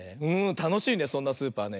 たのしいねそんなスーパーね。